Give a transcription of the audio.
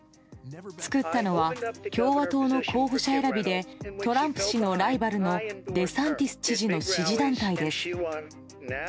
作ったのは共和党の候補者選びでトランプ氏のライバルのデサンティス知事の支持団体です。